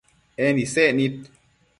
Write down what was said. En isec nid